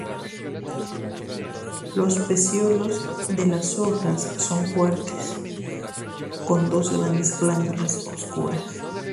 Los pecíolos de las hojas son fuertes, con dos grandes glándulas oscuras.